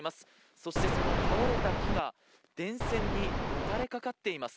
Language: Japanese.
そして倒れた木が電線に、もたれかかっています。